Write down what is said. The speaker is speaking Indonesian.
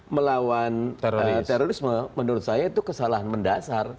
melawan terorisme menurut saya itu kesalahan mendasar